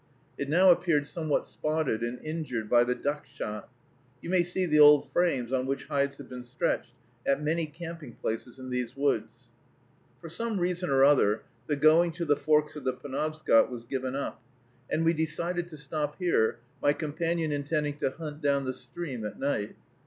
It now appeared somewhat spotted and injured by the duck shot. You may see the old frames on which hides have been stretched at many camping places in these woods. For some reason or other, the going to the forks of the Penobscot was given up, and we decided to stop here, my companion intending to hunt down the stream at night.